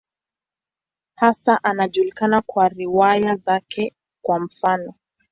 Hasa anajulikana kwa riwaya zake, kwa mfano.